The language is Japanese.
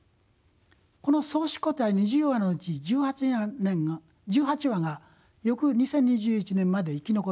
この創始個体２０羽のうち１８羽が翌２０２１年まで生き残り繁殖しました。